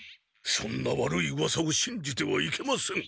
そんな悪いうわさをしんじてはいけません。